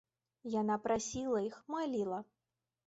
Яна прасіла іх, маліла.